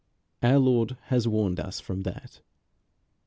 Our Lord has warned us from that.